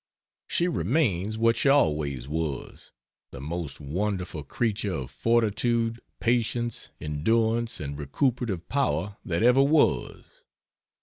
She remains what she always was, the most wonderful creature of fortitude, patience, endurance and recuperative power that ever was.